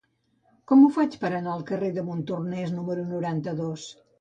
Com ho faig per anar al carrer de Montornès número noranta-dos?